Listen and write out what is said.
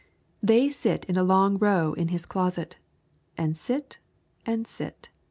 They sit in a long row in his closet, and sit and sit.